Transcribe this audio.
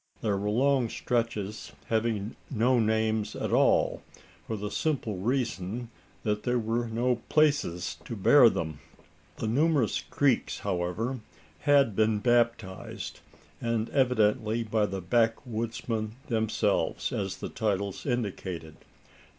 There were long stretches having no names at all: for the simple reason, that there were no places to bear them. The numerous creeks, however, had been baptised; and evidently by the backwoodsmen themselves, as the titles indicated.